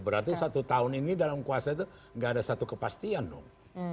berarti satu tahun ini dalam kuasa itu nggak ada satu kepastian dong